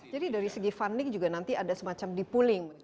jadi dari segi funding juga nanti ada semacam di pooling